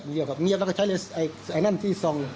เงียบนะครับเงียบแล้วก็ใช้เลยแรกซที่ทรง